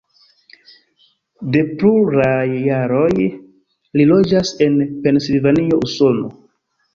De pluraj jaroj li loĝas en Pensilvanio, Usono.